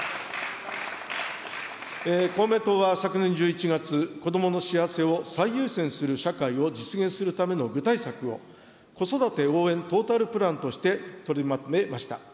公明党は昨年１１月、子どもの幸せを最優先する社会を実現するための具体策を、子育て応援トータルプランとして取りまとめました。